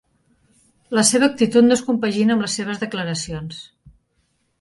La seva actitud no es compagina amb les seves declaracions.